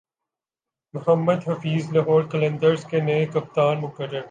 محمد حفیظ لاہور قلندرز کے نئے کپتان مقرر